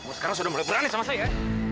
kamu sekarang sudah mulai berani sama saya ya